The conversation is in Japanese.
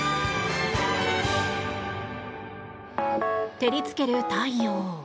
照りつける太陽。